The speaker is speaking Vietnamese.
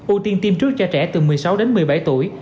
ưu tiên tiêm trước cho trẻ từ một mươi sáu đến một mươi bảy tuổi